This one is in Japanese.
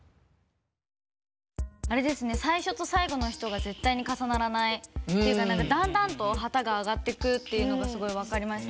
最初と最後の人が絶対に重ならないっていうかだんだんと旗が上がってくっていうのがすごい分かりましたね。